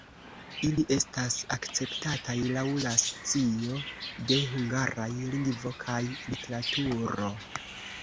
Ili estas akceptataj laŭ la scio de hungaraj lingvo kaj literaturo.